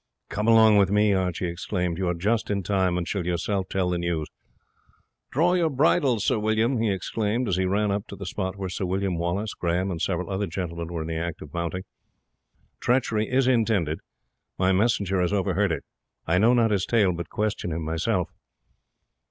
"Come along with me," Archie exclaimed; "you are just in time, and shall yourself tell the news. Draw your bridle, Sir William," he exclaimed as he ran up to the spot where Sir William Wallace, Grahame, and several other gentlemen were in the act of mounting. "Treachery is intended my messenger has overheard it. I know not his tale, but question him yourself."